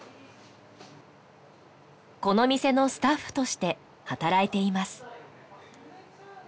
この店のスタッフとして働いています